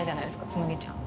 紬ちゃん。